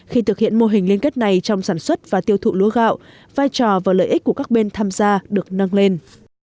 khi thực hiện mô hình liên kết này trong sản xuất và tiêu thụ lúa gạo vai trò và lợi ích của các bên tham gia được nâng lên